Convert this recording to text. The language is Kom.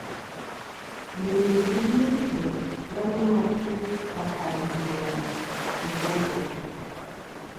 Mɨghef ghɨ ntè' va lu a fu va kali ndu a i Boboŋ.